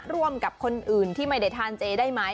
ร่วมกับคนอื่นที่ไม่ได้ทานเจได้ไหม